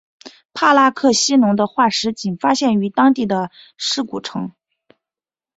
帕拉克西龙的化石仅发现于当地的尸骨层。